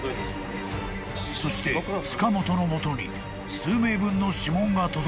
［そして塚本の元に数名分の指紋が届いた］